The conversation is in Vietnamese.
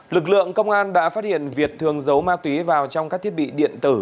lực lượng công an đã phát hiện việt thường giấu ma túy vào trong các thiết bị điện tử